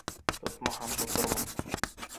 Тотмаһам, тотормон!